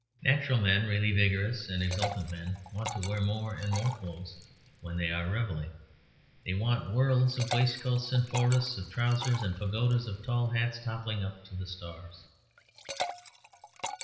Natural men, really vigorous and exultant men, want to wear more and more clothes when they are revelling. They want worlds of waistcoats and forests of trousers and pagodas of tall hats toppling up to the stars.